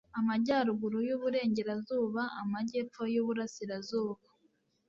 amajyaruguru y'uburengerazuba, amajyepfo y'uburasirazuba